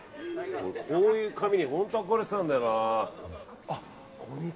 こういう髪に本当憧れてたんだよな。